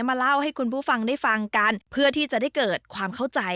เล่าให้คุณผู้ฟังได้ฟังกันเพื่อที่จะได้เกิดความเข้าใจ